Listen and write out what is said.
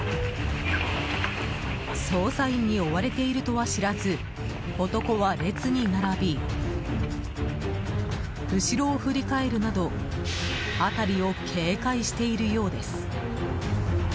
捜査員に追われているとは知らず男は列に並び後ろを振り返るなど辺りを警戒しているようです。